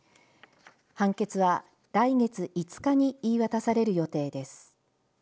判決は来月５日に言い渡される予定です。